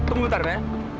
tunggu sebentar ya